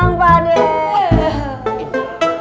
tangan siti masih begini